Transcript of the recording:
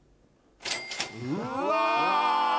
うわ。